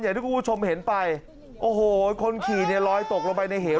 อย่างที่คุณผู้ชมเห็นไปโอ้โหคนขี่เนี่ยลอยตกลงไปในเหว